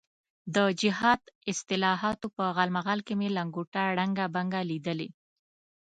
د جهاد اصطلاحاتو په غالمغال کې مې لنګوټه ړنګه بنګه لیدلې.